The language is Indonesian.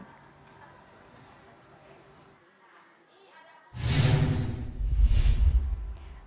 pembatasan jam masuk sekolah di dalam kelas dengan makan berkala yang dibawa siswa masing masing